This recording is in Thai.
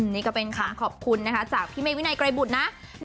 นี่ก็เป็นคำขอบคุณนะคะจากพี่เมฆวินัยไกรบุตรนะ